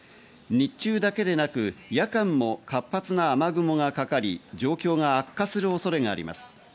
日中だけでなく夜間も活発な雨雲がかかり、状況が悪化する恐れがあります。